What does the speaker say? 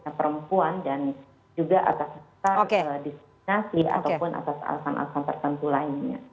kepada perempuan dan juga atas diskriminasi ataupun atas alasan alasan tertentu lainnya